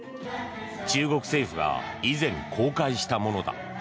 中国政府が以前、公開したものだ。